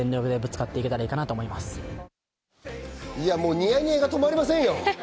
ニヤニヤが止まりませんよ。